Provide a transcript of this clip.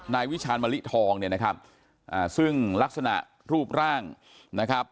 วิชาณมะลิทองเนี่ยนะครับอ่าซึ่งลักษณะรูปร่างนะครับ